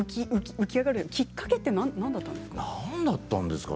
浮き上がるきっかけは何だったんですか？